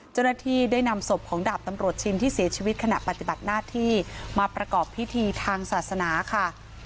เจ้าหน้าที่ได้นำศพของดาบตำรวจชินที่เสียชีวิตขณะปฏิบัติหน้าที่มาประกอบพิธีทางศาสนาค่ะ